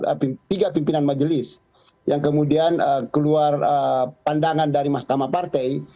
ketika pimpinan majelis yang kemudian keluar pandangan dari mahatma partai